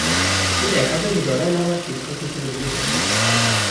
তিনি একাদশ দলাই লামার শিক্ষক হিসেবে নিযুক্ত হন।